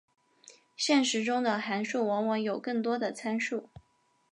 现实中的函数往往有更多的参数。